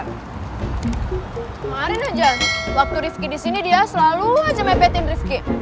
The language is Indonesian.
kemarin aja waktu rifki di sini dia selalu aja mepetin rifki